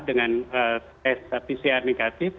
dengan tes pcr negatif